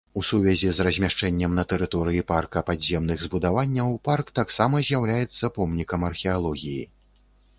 У сувязі з размяшчэннем на тэрыторыі парка падземных збудаванняў, парк таксама з'яўляецца помнікам археалогіі.